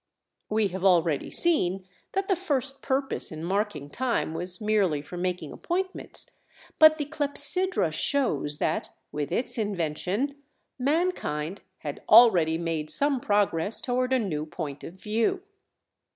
We have already seen that the first purpose in marking time was merely for making appointments, but the clepsydra shows that, with its invention, mankind had already made some progress toward a new point of view.